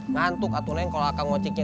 ngantuk aku neng kalau akan ngociknya